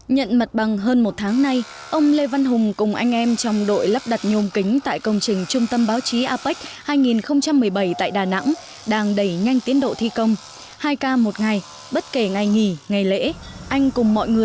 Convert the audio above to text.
nhận mặt bằng hơn một tháng nay ông lê văn hùng cùng anh em trong đội lắp đặt nhôm kính tại công trình trung tâm báo chí apec hai nghìn một mươi bảy tại đà nẵng đang đẩy nhanh tiến độ thi công